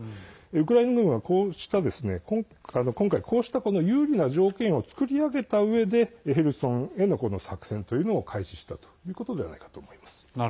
ウクライナ軍はこうした今回の有利な条件を作り上げたうえでヘルソンへの作戦というのを開始したということではないかと思います。